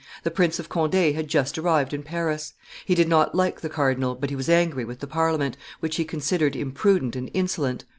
The Prince of Conde had just arrived in Paris; he did not like the cardinal, but he was angry with the Parliament, which he considered imprudent and insolent.